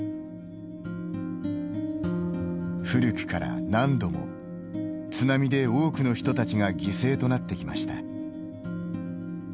古くから、何度も津波で多くの人たちが犠牲となってきました。